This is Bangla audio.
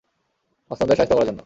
মাস্তানদের শায়েস্তা করার জন্য!